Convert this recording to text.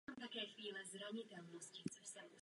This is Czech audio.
Zde se nacházejí mnohé přírodní fenomény zdejší oblasti.